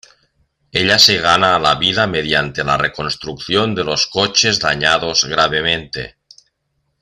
Ella se gana la vida mediante la reconstrucción de los coches dañados gravemente.